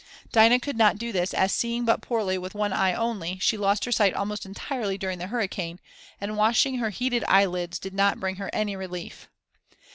Dinah could not do this as seeing but poorly with one eye only, she lost her sight almost entirely during the hurricane and washing her heated eyelids did not bring her any relief.